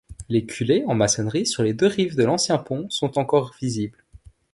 Les culées en maçonnerie sur les deux rives de l'ancien pont sont encore visibles.